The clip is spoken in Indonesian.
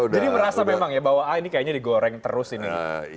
jadi merasa memang ya bahwa ini kayaknya digoreng terus ini